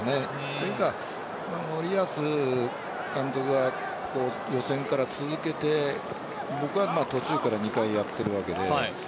というか、森保監督が予選から続けて、僕は途中から２回やっているわけで。